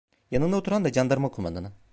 Yanında oturan da candarma kumandanı.